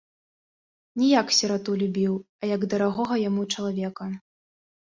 Не як сірату любіў, а як дарагога яму чалавека.